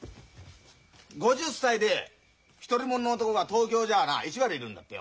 ５０歳で独り者の男が東京じゃあな１割いるんだってよ。